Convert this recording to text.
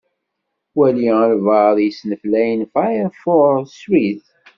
Wali albaɛḍ i yesneflayen Firefox srid.